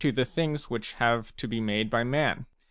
the things which have to be made by man.